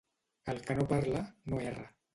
El que no parla, no erra.